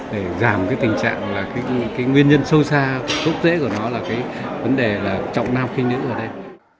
để giảm cái tình trạng là cái nguyên nhân sâu xa tốt dễ của nó là cái vấn đề là trọng nam kinh nữ ở đây